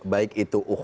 baik itu uhuah